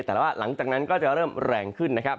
แต่ละว่าหลังจากนั้นก็จะเริ่มแรงขึ้น